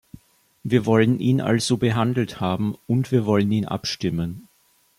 Wir wollen ihn also behandelt haben, und wir wollen ihn abstimmen.